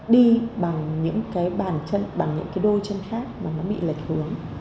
đi bằng những cái bàn chân bằng những cái đôi chân khác mà nó bị lệch hướng